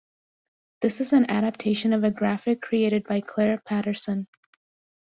This is an adaptation of a graphic created by Clair Patterson.